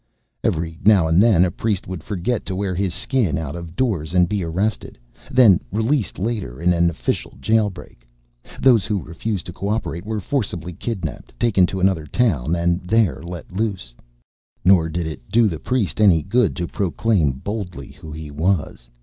Every now and then a priest would forget to wear his Skin out of doors and be arrested, then released later in an official jail break. Those who refused to cooperate were forcibly kidnapped, taken to another town and there let loose. Nor did it do the priest any good to proclaim boldly who he was.